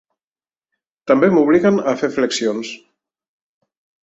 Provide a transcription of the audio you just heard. També m’obliguen a fer flexions.